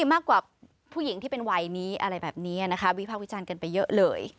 มากกว่าผู้หญิงที่เป็นวัยนี้อะไรแบบนี้นะคะวิพากษ์วิจารณ์กันไปเยอะเลย